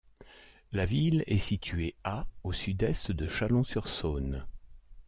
La ville est situé à au sud-est de Chalon-sur-Saône.